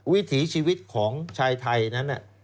วิถีชีวิตของชายไทยนั้น